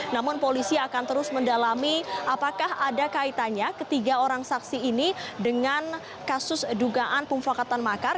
namun polisi akan terus mendalami apakah ada kaitannya ketiga orang saksi ini dengan kasus dugaan pemufakatan makar